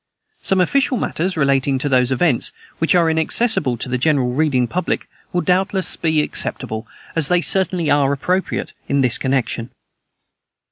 Some official matters relating to those events, which are inaccessible to the general reading public, will doubtless be acceptable, as they certainly are appropriate, in this connection.